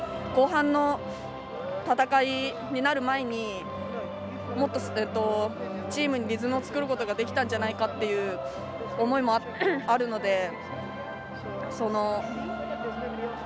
後半の戦いになる前にもっと、チームにリズムを作ることができたんじゃないかって思いもあるので。